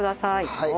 はい。